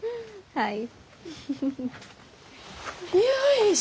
はい。